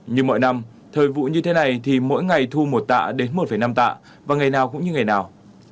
nhưng mọi năm thời vụ như thế này thì mỗi ngày thu một tạ đến một năm tạ và ngày nào cũng như ngày nào